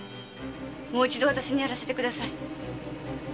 もう一度わたしにやらせてください。